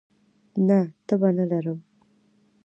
نه، تبه نه لرم